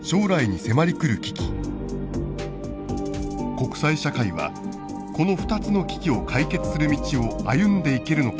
国際社会はこの２つの危機を解決する道を歩んでいけるのか。